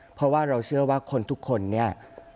เพราะว่าเราเชื่อว่าคนทุกคนเนี่ย